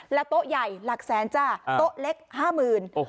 แล้วโต๊ะใหญ่หลักแสนจ้าโต๊ะเล็กห้ามืนโอ้โห